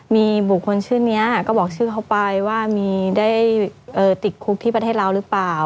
มีบุคคลชื่อนี้ก็บอกชื่อเขาไปว่ามีได้ติดคุกที่ประเทศลาวหรือเปล่า